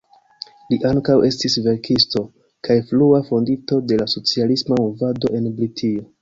Li ankaŭ estis verkisto kaj frua fondinto de la socialisma movado en Britio.